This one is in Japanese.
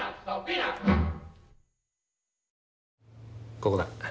ここだ。